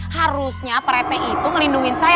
harusnya pak rete itu ngelindungin saya